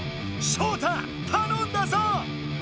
ショウタたのんだぞ！